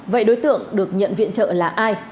vậy đối tượng được nhận viện trợ là ai